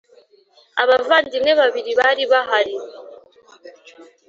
abavandimwe babiri bari bahari.